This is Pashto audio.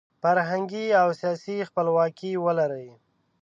فرهنګي او سیاسي خپلواکي ولري.